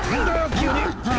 急に！